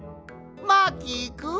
マーキーくん？